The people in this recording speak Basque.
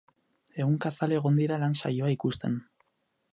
Ehunka zale egon dira lan saioa ikusten.